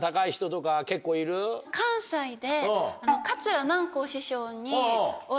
関西で桂南光師匠に。